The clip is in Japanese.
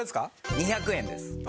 ２００円です。